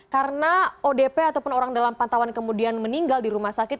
karena odp ataupun orang dalam pantauan kemudian meninggal di rumah sakit